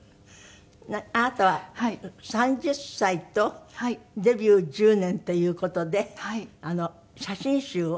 あなたは３０歳とデビュー１０年という事で写真集を。